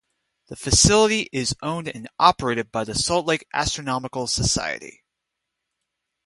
The facility is owned and operated by the Salt Lake Astronomical Society.